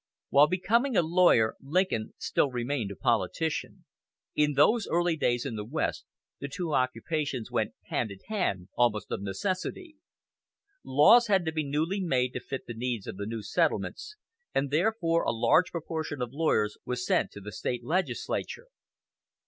While becoming a lawyer, Lincoln still remained a politician. In those early days in the West, the two occupations went hand in hand, almost of necessity. Laws had to be newly made to fit the needs of the new settlements, and therefore a large proportion of lawyers was sent to the State legislature.